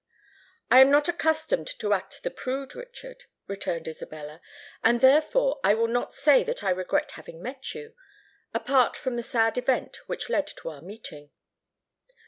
"I am not accustomed to act the prude, Richard," returned Isabella; "and therefore I will not say that I regret having met you,—apart from the sad event which led to our meeting."